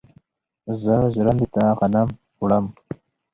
زه ژرندې ته غنم وړم.